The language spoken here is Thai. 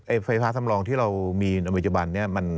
ไอ้ไฟฟ้าสำรองที่เรามีในวิจารณ์นี้